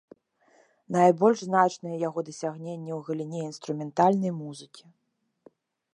Найбольш значныя яго дасягненні ў галіне інструментальнай музыкі.